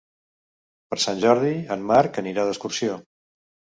Per Sant Jordi en Marc anirà d'excursió.